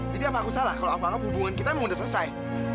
jadi apa aku salah kalau apakah hubungan kita udah selesai